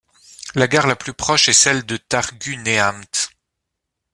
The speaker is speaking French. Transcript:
La gare la plus proche est celle de Târgu Neamț.